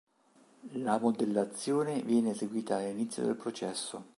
La modellazione viene eseguita all'inizio del processo.